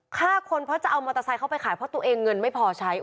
ฆ่าคนเพราะจะเอามอเตอร์ไซค์เข้าไปขายเพราะตัวเองเงินไม่พอใช้